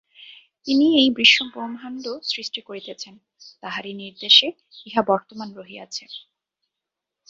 তিনিই এই বিশ্বব্রহ্মাণ্ড সৃষ্টি করিতেছেন, তাঁহারই নির্দেশে ইহা বর্তমান রহিয়াছে।